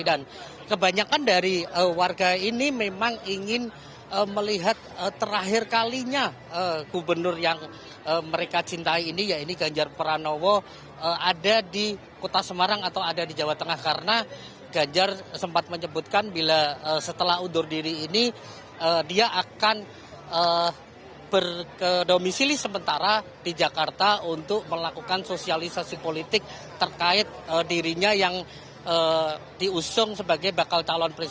dan kebanyakan dari warga ini memang ingin melihat terakhir kalinya gubernur yang mereka cintai ini ya ini ganjar pranowo ada di kota semarang atau ada di jawa tengah karena ganjar sempat menyebutkan bila setelah undur diri ini dia akan berdomisili sementara di jakarta untuk melakukan sosialisasi politik terkait dirinya yang diusir